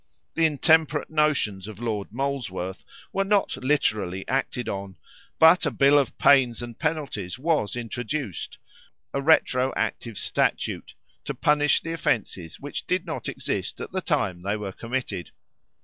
The intemperate notions of Lord Molesworth were not literally acted on; but a bill of pains and penalties was introduced a retro active statute, to punish the offences which did not exist at the time they were committed.